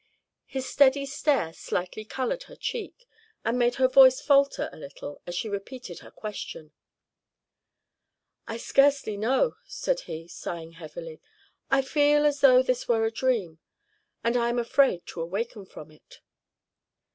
His steady stare slightly colored her cheek, and made her voice falter a little as she repeated her question. "I scarcely know," said he, sighing heavily. "I feel as though this were a dream, and I am afraid to awaken from it."